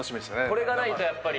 これがないとやっぱり。